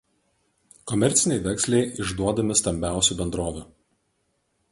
Komerciniai vekseliai išduodami stambiausių bendrovių.